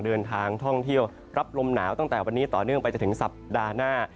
เดินทางท่องเที่ยวรับลมหนาวตั้งแต่วันนี้ต่อเนื่องไปจนถึงสัปดาห์หน้า